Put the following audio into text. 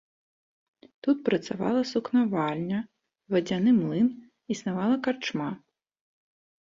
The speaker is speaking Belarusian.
Тут працавала сукнавальня, вадзяны млын, існавала карчма.